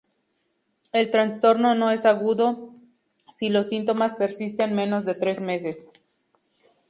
El trastorno es agudo si los síntomas persisten menos de tres meses.